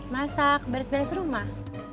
masak beres beres rumah